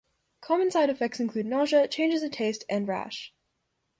Common side effects include nausea, changes in taste, and rash.